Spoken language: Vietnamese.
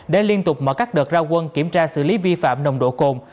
để liên tục mở các đợt ra quân kiểm tra xử lý vi phạm nồng độ cồn